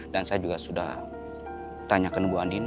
dan saya juga sudah tanyakan bu andin